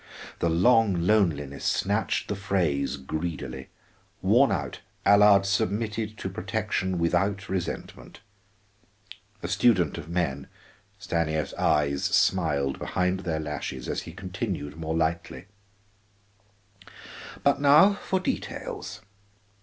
The long loneliness snatched the phrase greedily; worn out, Allard submitted to protection without resentment. A student of men, Stanief's eyes smiled behind their lashes as he continued more lightly: "But now for details.